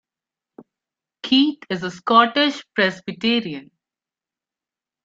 Keith is a Scottish Presbyterian.